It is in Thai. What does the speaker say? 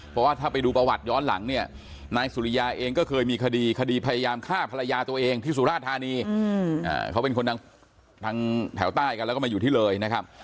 เพราะว่าถ้าไปดูประวัติย้อนหลังเนี่ยนายสุริยาเองก็เคยมีคดีคดีพยายามฆ่าภรรยาตัวเองที่สุราธานีเขาเป็นคนทางแถวใต้กันแล้วก็มาอยู่ที่เลยนะครับ